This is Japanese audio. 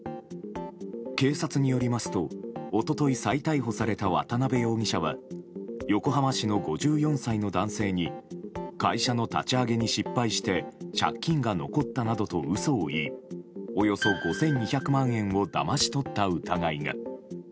警察によりますと一昨日再逮捕された渡辺容疑者は横浜市の５４歳の男性に会社の立ち上げに失敗して借金が残ったなどと嘘を言いおよそ５２００万円をだまし取った疑いが。